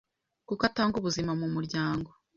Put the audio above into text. kuko atanga ubuzima mu muryango